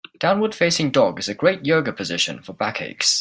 Downward facing dog is a great Yoga position for back aches.